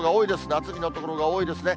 夏日の所が多いですね。